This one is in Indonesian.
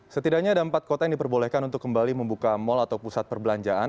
setidaknya ada empat kota yang diperbolehkan untuk kembali membuka mal atau pusat perbelanjaan